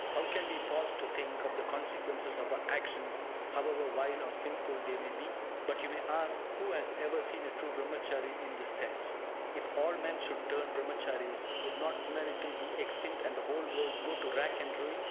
How can we pause to think of the consequences of our actions, however vile or sinful they may be? But you may ask, "Who has ever seen a true Brahmachary in this sense? If all men should turn Brahmacharies, would not humanity be extinct, and the whole world go to rack and ruin?"